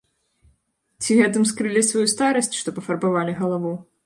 Ці гэтым скрылі сваю старасць, што пафарбавалі галаву?